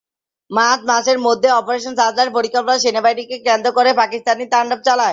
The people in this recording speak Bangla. মার্চ মাসের মধ্যেই অপারেশন সার্চলাইট পরিকল্পনায় সেনানিবাসকে কেন্দ্র করে পাকবাহিনী তান্ডব চালায়।